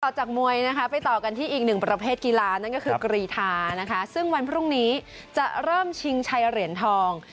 จากมวยนะคะไปต่อกันที่อีกหนึ่งประเภทกีฬานั่นก็คือกรีธานะคะซึ่งวันพรุ่งนี้จะเริ่มชิงชัยเหรียญทอง